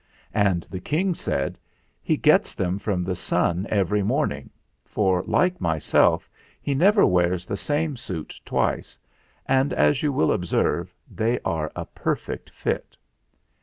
And the King said : "He gets them from the sun every morn ing, for, like myself, he never wears the same suit twice; and, as you will observe, they are a perfect fit."